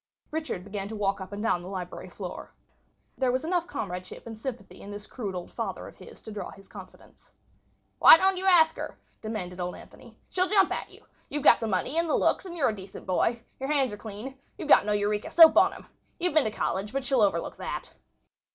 Richard began to walk up and down the library floor. There was enough comradeship and sympathy in this crude old father of his to draw his confidence. "Why don't you ask her?" demanded old Anthony. "She'll jump at you. You've got the money and the looks, and you're a decent boy. Your hands are clean. You've got no Eureka soap on 'em. You've been to college, but she'll overlook that."